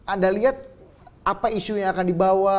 anda lihat apa isu yang akan dibawa